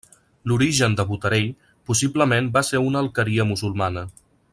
L'origen de Botarell possiblement va ser una alqueria musulmana.